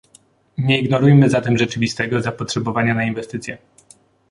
Nie ignorujmy zatem rzeczywistego zapotrzebowania na inwestycje